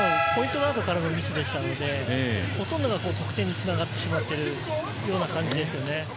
ガードからのミスでしたのでほとんどが得点に繋がってしまっているような感じですよね。